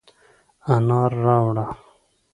انار راوړه،